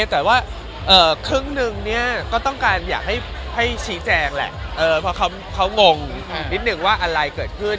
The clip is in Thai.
แต่ว่าครึ่งหนึ่งก็ต้องการอยากให้ชี้แจงแหละเพราะเขางงนิดนึงว่าอะไรเกิดขึ้น